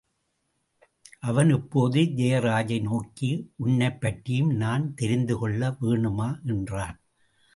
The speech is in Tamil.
அவன் இப்போது ஜெயராஜை நோக்கி உன்னைப்பற்றியும் நான் தெரிந்து கொள்ள வேணாமா? என்றான்.